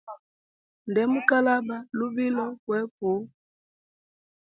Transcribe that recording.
Nde mu kwalaba lubilo kowi kuu.